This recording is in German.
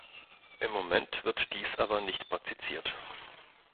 Im Moment wird dies aber nicht praktiziert.